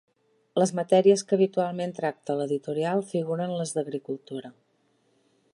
Les matèries que habitualment tracta l'editorial figuren les d'Agricultura.